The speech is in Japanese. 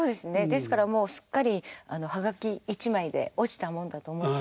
ですからもうすっかり葉書一枚で落ちたもんだと思ってました。